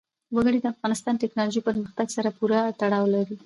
وګړي د افغانستان د تکنالوژۍ پرمختګ سره پوره تړاو لري.